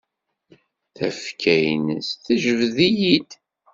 Tafekka-nnes tejbed-iyi-d.